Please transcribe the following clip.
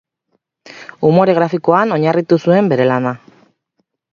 Umore grafikoan oinarritu zuen bere lana.